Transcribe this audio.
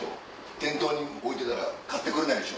店頭に置いてたら買ってくれないでしょ？